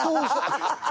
ハハハハ！